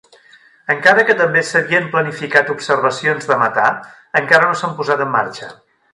Encara que també s'havien planificat observacions de metà, encara no s'han posat en marxa.